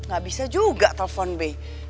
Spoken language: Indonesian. gak bisa juga telepon b